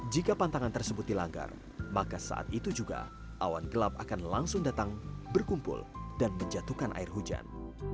jika pantangan tersebut dilanggar maka saat itu juga awan gelap akan langsung datang berkumpul dan menjatuhkan air hujan